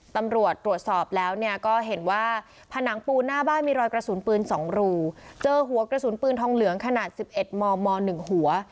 ตำรวจตรวจสอบแล้วเนี่ยก็เห็นว่าผนังปูนหน้าบ้านมีรอยกระสุนปืน๒รูเจอหัวกระสุนปืนทองเหลืองขนาด๑๑มม๑หัว